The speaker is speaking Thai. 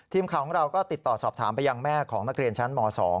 ทีมข่าวของเราก็ติดต่อสอบถามไปยังแม่ของนักเรียนชั้นม๒